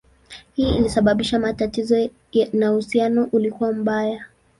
Hii ilisababisha matatizo na uhusiano ulikuwa mbaya.